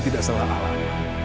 tidak salah alam